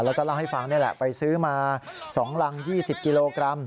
แล้วก็เล่าให้ฟังนี่แหละไปซื้อมา๒รัง๒๐กิโลกรัม